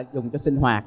dùng cho sinh hoạt